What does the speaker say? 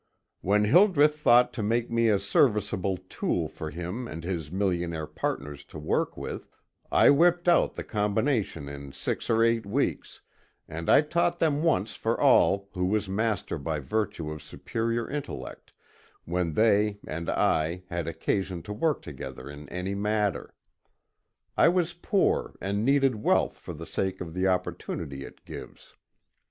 "When Hildreth thought to make me a serviceable tool for him and his millionaire partners to work with, I whipped out the combination in six or eight weeks, and I taught them once for all who was master by virtue of superior intellect, when they and I had occasion to work together in any matter. I was poor and needed wealth for the sake of the opportunity it gives.